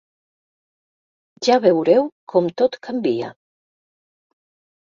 Ja veure-ho com tot canvia.